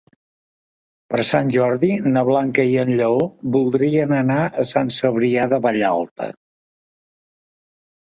Per Sant Jordi na Blanca i en Lleó voldrien anar a Sant Cebrià de Vallalta.